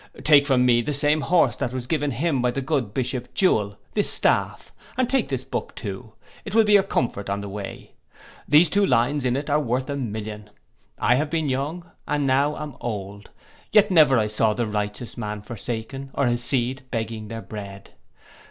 Take from me the same horse that was given him by the good bishop Jewel, this staff, and take this book too, it will be your comfort on the way: these two lines in it are worth a million, I have been young, and now am old; yet never saw I the righteous man forsaken, or his seed begging their bread.